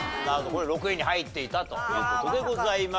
これ６位に入っていたという事でございました。